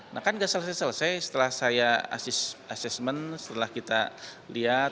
nah kan gak selesai selesai setelah saya asesmen setelah kita lihat